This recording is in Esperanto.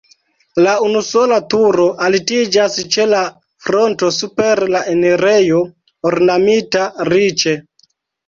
La unusola turo altiĝas ĉe la fronto super la enirejo ornamita riĉe.